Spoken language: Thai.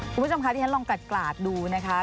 คุณผู้ชมคะที่ฉันลองกราดดูนะคะ